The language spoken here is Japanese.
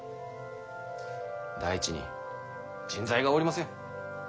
第一に人材がおりません。